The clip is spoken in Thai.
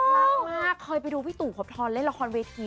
รักมากเคยไปดูพี่ตู่ขอพรเล่นละครเวที